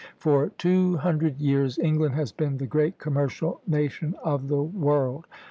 For two hundred years England has been the great commercial nation of the world.